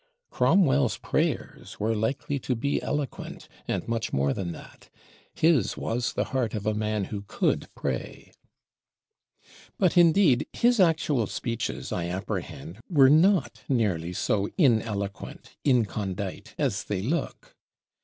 Cromwell's prayers were likely to be "eloquent," and much more than that. His was the heart of a man who could pray. But indeed his actual Speeches, I apprehend, were not nearly so ineloquent, incondite, as they look.